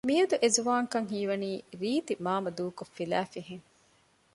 މިއަދު އެ ޒުވާންކަން ހީވަނީ ރީތިމާމަ ދޫކޮށް ފިލައިފިހެން